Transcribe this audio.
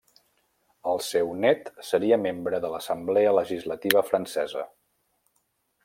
El seu nét seria membre de l'assemblea legislativa francesa.